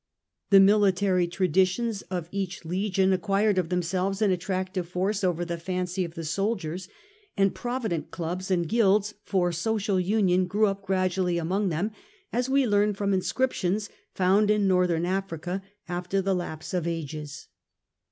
The military traditions of each legion jL H. p 210 The Earlier Empire. acquired of themselves an attractive force over the fancy of the soldiers, and provident clubs and guilds for social union grew up gradually among them, as we learn from inscriptions found in Northern Africa after the lapse of ages.